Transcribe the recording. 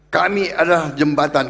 kami adalah jembatan